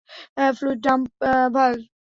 Fluid dump valve.